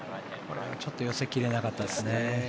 ちょっと寄せ切れなかったですね。